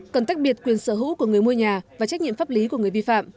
cần tách biệt quyền sở hữu của người mua nhà và trách nhiệm pháp lý của người vi phạm